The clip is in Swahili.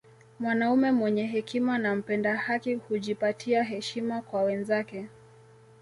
Mwanaume mwenye hekima na mpenda haki hujipatia heshima kwa wenzake